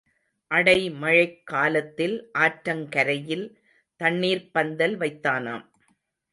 அடை மழைக் காலத்தில் ஆற்றங் கரையில் தண்ணீர்ப் பந்தல் வைத்தானாம்.